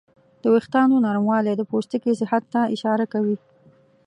د وېښتیانو نرموالی د پوستکي صحت ته اشاره کوي.